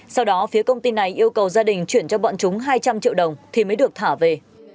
sau đó phía công ty này yêu cầu gia đình chuyển cho bọn chúng hai trăm linh triệu đồng thì mới được thả về